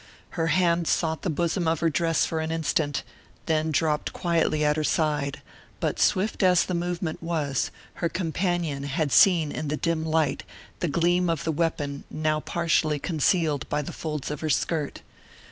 Her hand sought the bosom of her dress for an instant, then dropped quietly at her side, but swift as the movement was, her companion had seen in the dim light the gleam of the weapon now partially concealed by the folds of her skirt.